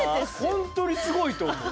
ほんとにすごいと思う。